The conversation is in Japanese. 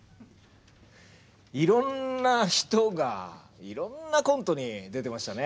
いろんな人がいろんなコントに出てましたね。